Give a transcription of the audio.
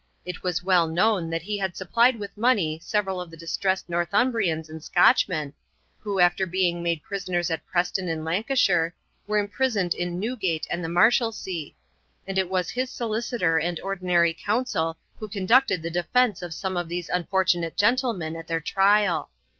It was well known that he had supplied with money several of the distressed Northumbrians and Scotchmen, who, after being made prisoners at Preston in Lancashire, were imprisoned in Newgate and the Marshalsea, and it was his solicitor and ordinary counsel who conducted the defence of some of these unfortunate gentlemen at their trial.